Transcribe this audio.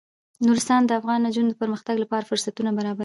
نورستان د افغان نجونو د پرمختګ لپاره فرصتونه برابروي.